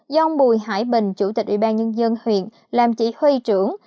do ông bùi hải bình chủ tịch ủy ban nhân dân huyện làm chỉ huy trưởng